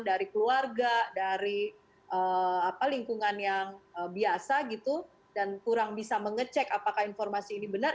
dari keluarga dari lingkungan yang biasa gitu dan kurang bisa mengecek apakah informasi ini benar